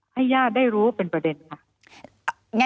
ให้ญาติได้รู้เป็นประเด็นค่ะ